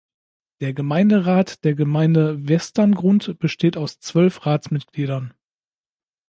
Der Gemeinderat der Gemeinde Westerngrund besteht aus zwölf Ratsmitgliedern.